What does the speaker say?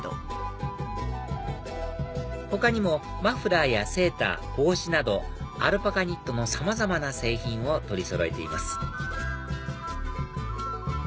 他にもマフラーやセーター帽子などアルパカニットのさまざまな製品を取りそろえています